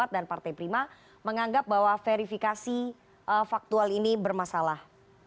dan partai prima menganggap bahwa verifikasi faktual ini bermasalah